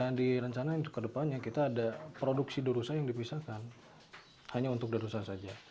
dan di rencana yang kedepannya kita ada produksi the rusa yang dipisahkan hanya untuk the rusa saja